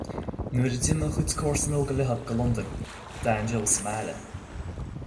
Nuair a d'imigh a chuid comharsan óga leo go Londain, d'fhan Joe sa mbaile.